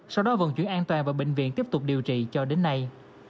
sau đó vận chuyển an toàn vào bệnh viện tiếp tục điều trị cho đến nay